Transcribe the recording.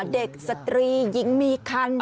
เด็กสตรียิงมีคัน